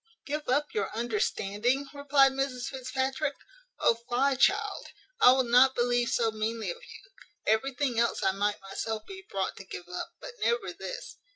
"Give up your understanding!" replied Mrs Fitzpatrick; "oh, fie, child! I will not believe so meanly of you. Everything else I might myself be brought to give up; but never this.